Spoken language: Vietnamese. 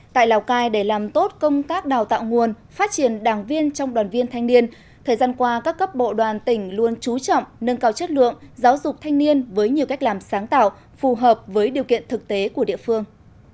tại lào cai để làm tốt công tác đào tạo nguồn phát triển đảng viên trong đoàn viên thanh niên thời gian qua các cấp bộ đoàn tỉnh luôn trú trọng nâng cao chất lượng giáo dục thanh niên với nhiều cách làm sáng tạo phù hợp với điều kiện thực tế của địa phương